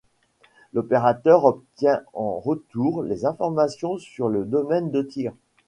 L'opérateur obtient en retour les informations sur le domaine de tir.